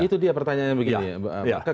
itu dia pertanyaannya begini